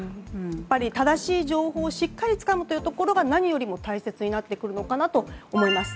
正しい情報をしっかりつかむことが何よりも大切になってくるのかなと思います。